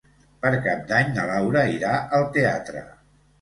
Per Cap d'Any na Laura irà al teatre.